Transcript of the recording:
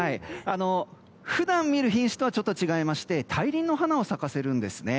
普段見る品種とはちょっと違いまして大輪の花を咲かせるんですね。